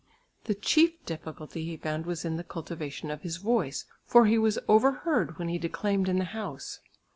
The chief difficulty he found was in the cultivation of his voice, for he was overheard when he declaimed in the house.